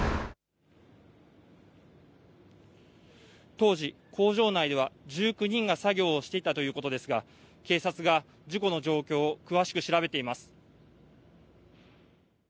当時、工場内では１９人が作業をしていたということですが、警察が事故の状況を詳しく調べています。